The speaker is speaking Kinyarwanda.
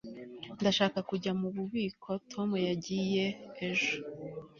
ndashaka kujya mububiko tom yagiye ejo